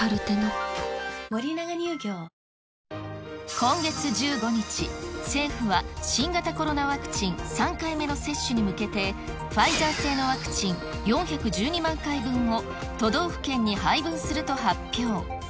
今月１５日、政府は新型コロナワクチン３回目の接種に向けて、ファイザー製のワクチン、４１２万回分を都道府県に配分すると発表。